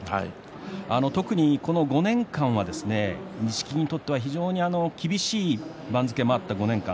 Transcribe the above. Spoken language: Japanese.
特に、この５年間は錦木にとっては非常に厳しい番付もあった５年間。